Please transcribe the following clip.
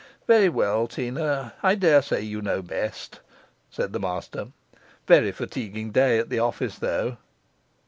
'Well, well, Teena, I daresay you know best,' said the master. 'Very fatiguing day at the office, though.